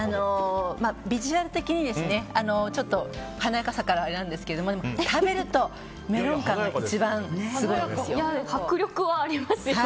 ビジュアル的に、ちょっと華やかさからはあれなんですけど食べるとメロン感が一番すごいんですよ。